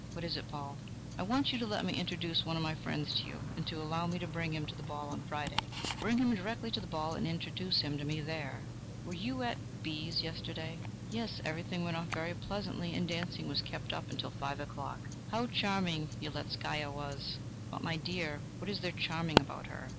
"What is it, Paul?" "I want you to let me introduce one of my friends to you, and to allow me to bring him to the ball on Friday." "Bring him direct to the ball and introduce him to me there. Were you at B 's yesterday?" "Yes; everything went off very pleasantly, and dancing was kept up until five o'clock. How charming Yeletzkaya was!" "But, my dear, what is there charming about her?